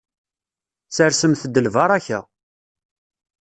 Sersemt-d lbaraka.